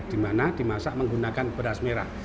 di mana dimasak menggunakan beras merah